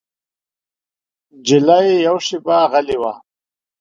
نجلۍ يوه شېبه غلې وه.